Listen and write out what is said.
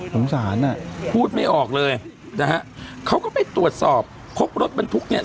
สงสารอ่ะพูดไม่ออกเลยนะฮะเขาก็ไปตรวจสอบพบรถบรรทุกเนี่ย